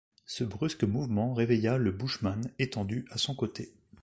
Ce brusque mouvement réveilla le bushman, étendu à son côté.